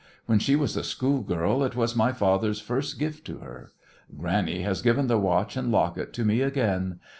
When she was a schoolgirl it was my father's first gift to her. Granny has given the watch and locket to me again.